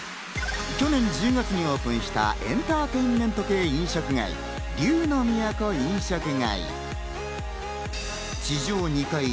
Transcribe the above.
去年１０月にオープンしたエンターテインメン系飲食街・龍乃都飲食街。